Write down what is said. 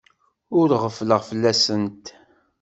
Ur ɣeffleɣ fell-asent.